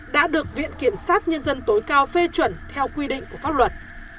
đã được viện kiểm sát nhân dân tối cao phê chuẩn theo quy định của pháp luật